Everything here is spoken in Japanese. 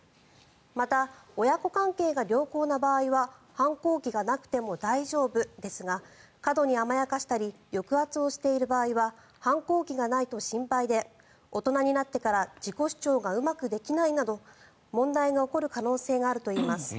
また、親子関係が良好な場合は反抗期がなくても大丈夫ですが過度に甘やかしたり抑圧している場合は反抗期がないと心配で大人になってから自己主張がうまくできないなど問題が起こる可能性があるといいます。